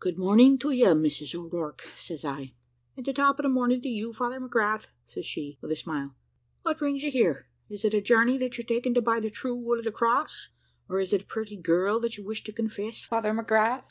"`Good morning to ye, Mrs O'Rourke,' says I. "`An' the top of the morning to you, Father McGrath,' says she, with a smile: `what brings you here? Is it a journey that you're taking to buy the true wood of the cross; or is it a purty girl that you wish to confess, Father McGrath?